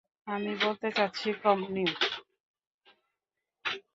আমি বলতে চাচ্ছি কমনীয়।